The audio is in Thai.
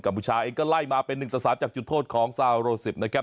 กัมพูชาเองก็ไล่มาเป็นหนึ่งตระสานจากจุดโทษของซาโรสิบนะครับ